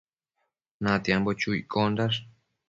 Natiambo chu iccondash